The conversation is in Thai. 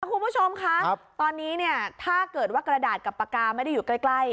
คุณผู้ชมคะตอนนี้เนี่ยถ้าเกิดว่ากระดาษกับปากกาไม่ได้อยู่ใกล้